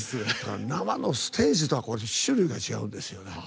生のステージとは種類が違うんですよ。